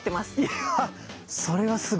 いやっそれはすごいな。